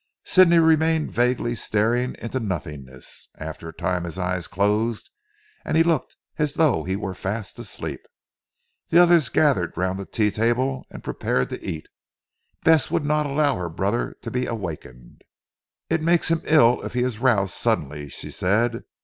Sidney remained vaguely staring into nothingness. After a time his eyes closed and he looked as though he were fast asleep. The others gathered round the tea table, and prepared to eat. Bess would not allow her brother to be awakened. "It makes him ill if he is roused suddenly," she said.